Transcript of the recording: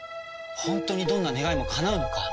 本当にどんな願いもかなうのか？